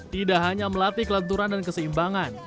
tidak hanya melatih kelenturan dan keseimbangan